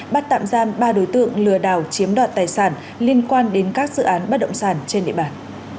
bắt tạm giam ba đối tượng lừa đảo chiếm đoạt tài sản liên quan đến các dự án bất động sản trên địa bàn